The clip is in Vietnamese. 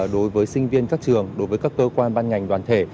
đối với sinh viên các trường đối với các cơ quan ban ngành đoàn thể